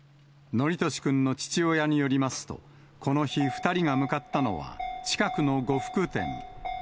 規稔君の父親によりますと、この日、２人が向かったのは、近くの呉服店。